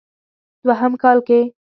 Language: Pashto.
دوهم کال کې